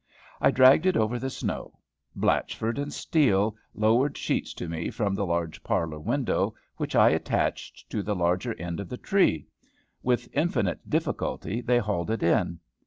I dragged it over the snow. Blatchford and Steele lowered sheets to me from the large parlor window, which I attached to the larger end of the tree. With infinite difficulty they hauled it in.